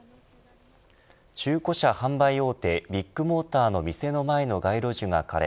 中古車販売大手ビッグモーターの店の前の街路樹が枯れ